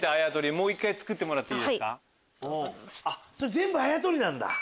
全部あやとりなんだ！